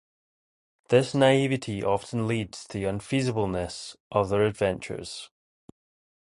This naivety often leads to the unfeasible-ness of their adventures.